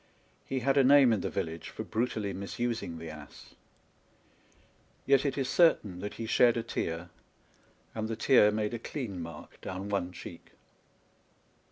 He had a name in the village for brutally misusing the ass ; yet it is certain that he shed a tear, and the tear made a clean mark down one cheek.